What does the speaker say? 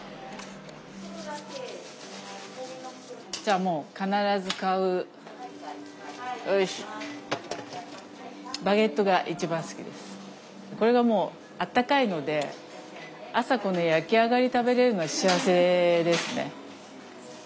じゃあもう必ず買うこれがもうあったかいので朝この焼き上がり食べれるのは幸せですね。